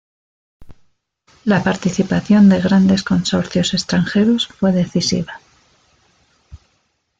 La participación de grandes consorcios extranjeros fue decisiva.